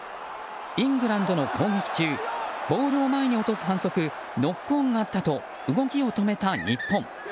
イングランドの攻撃中ボールを前に落とす反則ノックオンがあったと動きを止めた日本。